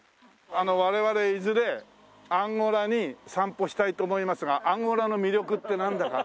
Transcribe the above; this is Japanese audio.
我々いずれアンゴラに散歩したいと思いますがアンゴラの魅力ってなんだか。